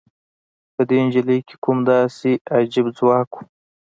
په دې نجلۍ کې کوم داسې عجيب ځواک و؟